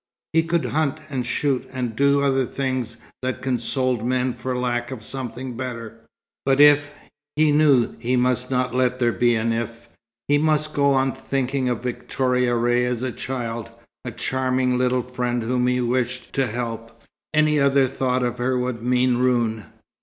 He could hunt and shoot, and do other things that consoled men for lack of something better. But if he knew he must not let there be an "if." He must go on thinking of Victoria Ray as a child, a charming little friend whom he wished to help. Any other thought of her would mean ruin.